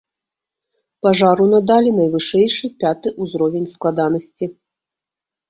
Пажару надалі найвышэйшы, пяты ўзровень складанасці.